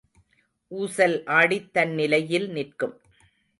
ஊசல் ஆடித் தன் நிலையில் நிற்கும்.